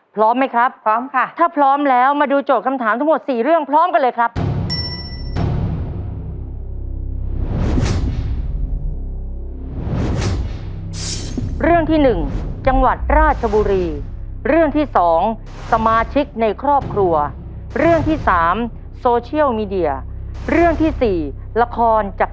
พร้อมไหมครับพร้อมค่ะถ้าพร้อมแล้วมาดูโจทย์คำถามทั้งหมด๔เรื่องพร้อมกันเลยครับ